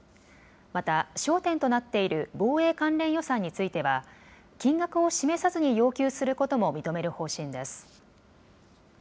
また、焦点となっている防衛関連予算については、金額を示さずに要求することも認める方針です。